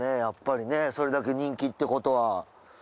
やっぱりねそれだけ人気ってことは。